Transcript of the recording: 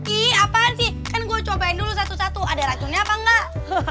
ih apa sih kan gue cobain dulu satu satu ada racunnya apa enggak